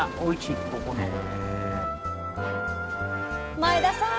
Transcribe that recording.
前田さん